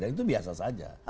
dan itu biasa saja